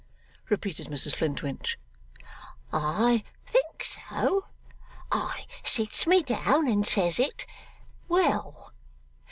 repeated Mrs Flintwinch, 'I think so! I sits me down and says it. Well!